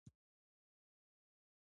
زردالو د بامیان او غزني مهم محصول دی.